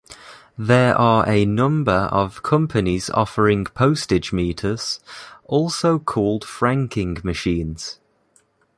There are a number of companies offering postage meters, also called franking machines.